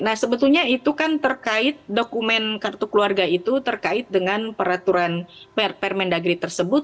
nah sebetulnya itu kan terkait dokumen kartu keluarga itu terkait dengan peraturan permendagri tersebut